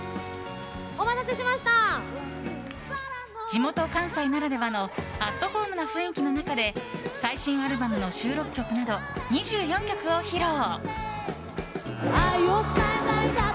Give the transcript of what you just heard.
地元・関西ならではのアットホームな雰囲気の中で最新アルバムの収録曲など２４曲を披露。